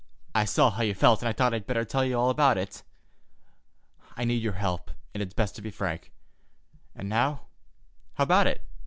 "I saw how you felt, and I thought I'd better tell you all about it. I need your help, and it's best to be frank. And now, how about it?